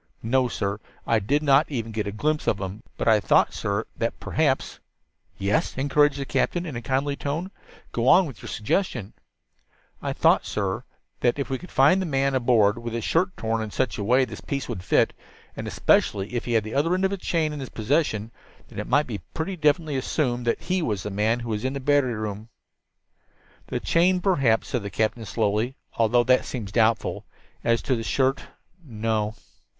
"No, sir, I did not even get a glimpse of him. But I thought, sir, that perhaps " "Yes," encouraged the captain in a kindly tone. "Go on with your suggestion." "I thought, sir," Joe continued, "that if we could find a man aboard with his shirt torn in such a way that this piece would fit, and especially if he had the other end of this chain in his possession, then it might be pretty definitely assumed that he was the man who was in the battery room." "The chain perhaps," said the captain slowly, "although that seems doubtful. As to the shirt, no."